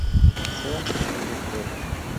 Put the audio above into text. Sea "a" un entero.